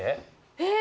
えっ。